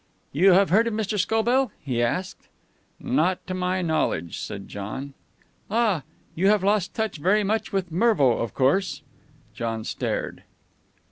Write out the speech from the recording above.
"You have heard of Mr. Scobell?" he asked. "Not to my knowledge," said John. "Ah! you have lost touch very much with Mervo, of course." John stared.